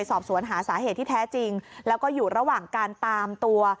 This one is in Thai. สอบสวนหาสาเหตุที่แท้จริงแล้วก็อยู่ระหว่างการตามตัว